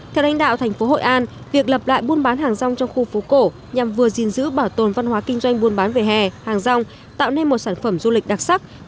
theo đánh đạo thành phố hội an việc lập lại buôn bán hàng rong trong khu phố cổ nhằm vừa gìn giữ bảo tồn văn hóa kinh doanh buôn bán về hè hàng rong tạo nên một sản phẩm du lịch đặc sắc